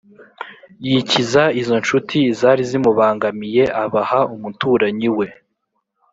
yikiza izo ncuti zari zimubangamiye abaha umuturanyi we?